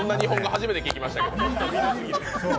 初めて聞きましたけど。